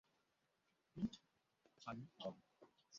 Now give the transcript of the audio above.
High, Babu.